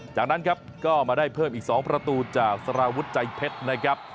จากนั้นครับก็มาได้เพิ่มอีก๒ประตูจากสารวุฒิใจเพชรนะครับ